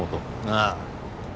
ああ。